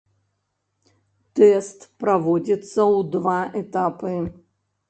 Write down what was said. Тэст праводзіцца ў два этапы.